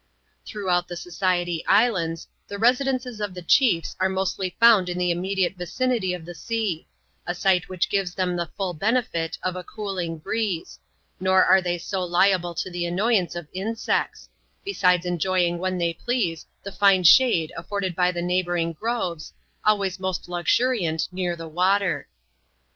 Throu^out the Society Islands, the residences of the duefe are mostly found in the immediate vidnity of the sea ; a site which gives them the full benefit of a cooling breeze ; nor are they so liable to the annoyance of insects ; besides enjoying when they please the fine shade afforded by the neighbouring groves, always most luxuriant near the water.